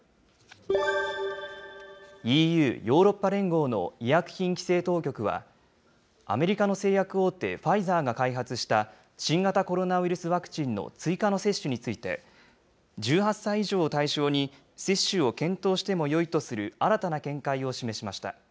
ＥＵ・ヨーロッパ連合の医薬品規制当局は、アメリカの製薬大手、ファイザーが開発した新型コロナウイルスワクチンの追加の接種について、１８歳以上を対象に、接種を検討してもよいとする新たな見解を示しました。